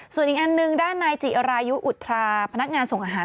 ส่วนอีกอันหนึ่งด้านนายจิรายุอุทราพนักงานส่งอาหาร